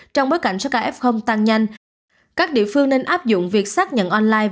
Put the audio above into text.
trong bối cảnh số ca f tăng nhanh các địa phương nên áp dụng việc xác nhận online